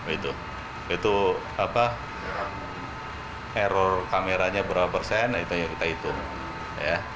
itu error kameranya berapa persen itu yang kita hitung ya